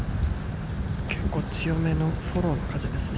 結構強めのフォローの風ですね。